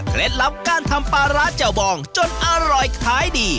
เคล็ดลับการทำปลาร้าเจ้าบองจนอร่อยท้ายดี